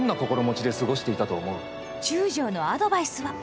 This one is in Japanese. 中将のアドバイスは。